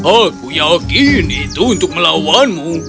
aku yakin itu untuk melawanmu